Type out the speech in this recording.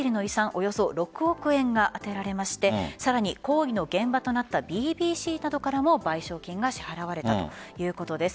およそ６億円が充てられましてさらに行為の現場となったＢＢＣなどからも賠償金が支払われたということです。